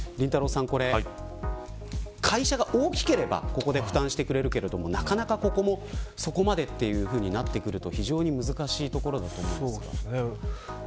さん会社が大きければここで負担してくれるけどなかなかここもそこまでとなってくると非常に難しいところだと思います。